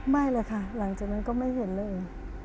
ไม่เลยค่ะหลังจากนั้นก็ไม่เห็นเลย